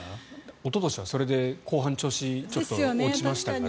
おととしはそれで後半調子、ちょっと落ちましたから。